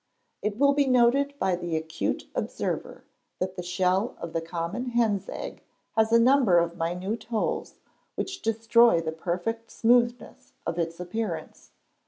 It will be noted by the accurate observer that the shell of the common hen's egg has a number of minute holes, which destroy the perfect smoothness of its appearance.